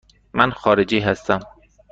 من خارجی هستم.